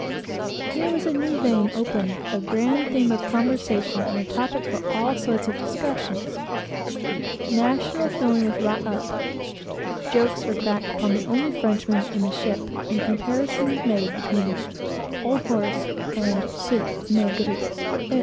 Here was a new vein opened; a grand theme of conversation, and a topic for all sorts of discussions. National feeling was wrought up. Jokes were cracked upon the only Frenchman in the ship, and comparisons made between "old horse" and "soup meagre," etc.